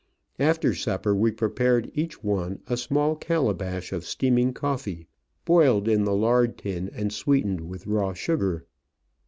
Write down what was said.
After supper we prepared each one a small calabash of steaming coffee, boiled in the lard tin and sweetened with raw sugar.